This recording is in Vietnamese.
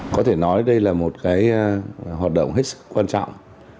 có thể nói đây là một hoạt động hết sức quan trọng